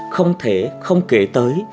không thể không kể tới